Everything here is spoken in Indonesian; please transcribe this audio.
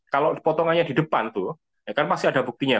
kalau potongannya di depan masih ada buktinya